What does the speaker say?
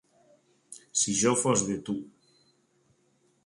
Si jo fos de tu.